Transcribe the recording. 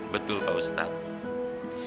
betul pak ustadz